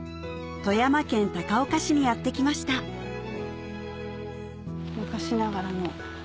富山県高岡市にやって来ました昔ながらの。